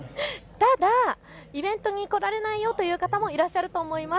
ただイベントに来られないよという方もいらっしゃると思います。